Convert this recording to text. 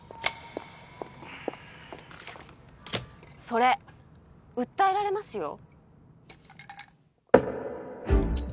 それ訴えられますよ？